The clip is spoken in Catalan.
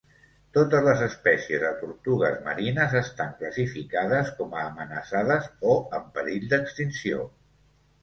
Totes les espècies de tortugues marines estan classificades com a amenaçades o en perill d'extinció.